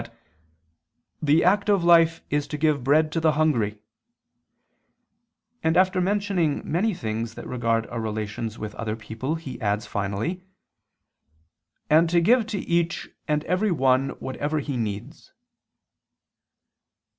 that "the active life is to give bread to the hungry," and after mentioning many things that regard our relations with other people he adds finally, "and to give to each and every one whatever he needs."